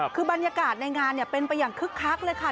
คือบรรยากาศในงานเป็นไปอย่างคึกคักเลยค่ะ